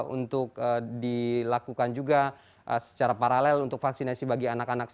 untuk dilakukan juga secara paralel untuk vaksinasi bagi anak anak